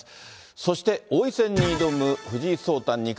そして、王位戦に挑む藤井聡太二冠。